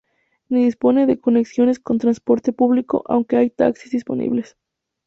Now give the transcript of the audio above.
No dispone de conexiones con transporte público, aunque hay taxis disponibles.